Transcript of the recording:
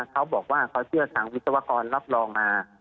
เขาบอกว่าเขาเชื่อทางวิศวกรรับรองมา